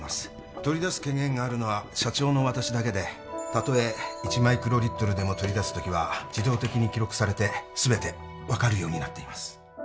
取り出す権限があるのは社長の私だけでたとえ１マイクロリットルでも取り出すときは自動的に記録されてすべて分かるようになっています